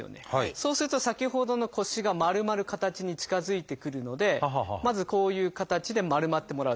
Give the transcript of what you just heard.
そうすると先ほどの腰が丸まる形に近づいてくるのでまずこういう形で丸まってもらうと。